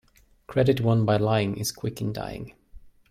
Credit won by lying is quick in dying.